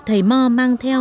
thầy mò mang theo